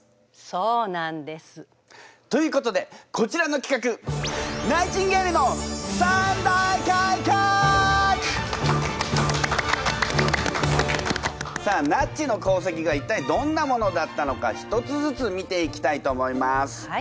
そうなんです。ということでこちらの企画さあなっちの功績が一体どんなものだったのか１つずつ見ていきたいと思います。